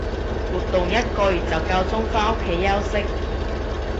活動一個月就夠鐘返屋企休息